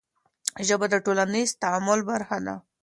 ژبه د ټولنیز تعامل برخه ده.